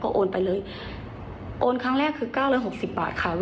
ถูกไหมคะเช็คอีกรอบนะคะ